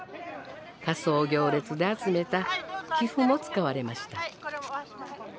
仮装行列で集めた寄付も使われました。